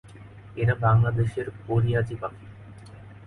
এরা বাংলাদেশের পরিযায়ী পাখি।